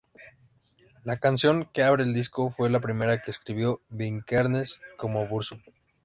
La canción que abre el disco, fue la primera que escribió Vikernes como Burzum.